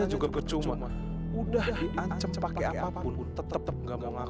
itu anak anak ngapain sih nyuruh nyuruh tembok